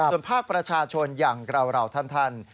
ส่วนภาคประชาชนอย่างเราท่าน